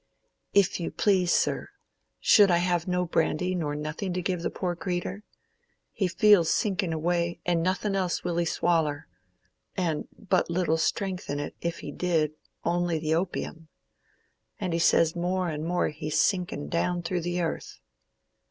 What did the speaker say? "If you please, sir, should I have no brandy nor nothing to give the poor creetur? He feels sinking away, and nothing else will he swaller—and but little strength in it, if he did—only the opium. And he says more and more he's sinking down through the earth."